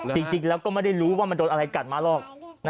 จริงแล้วก็ไม่ได้รู้ว่ามันโดนอะไรกัดมาหรอก